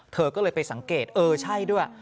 เธอก็เลยไปสังเกตเออใช่ด้วย